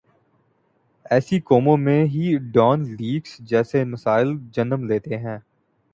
ایسی قوموں میں ہی ڈان لیکس جیسے مسائل جنم لیتے ہیں۔